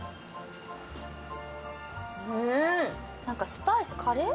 スパイス、カレー？